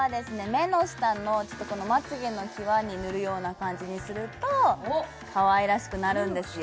目の下のまつげの際に塗るような感じにするとかわいらしくなるんですよ